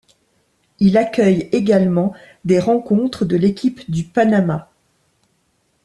Il accueille également des rencontres de l'équipe du Panama.